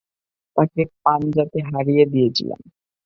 তাকে পান্জাতে হারিয়ে দিয়েছিলাম।